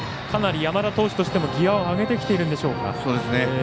かなり山田投手としてもギヤを上げてきてるんでしょうか。